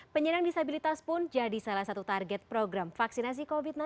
penyandang disabilitas pun jadi salah satu target program vaksinasi covid sembilan belas